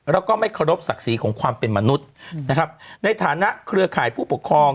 แล้วก็ไม่เคารพศักดิ์ศรีของความเป็นมนุษย์นะครับในฐานะเครือข่ายผู้ปกครอง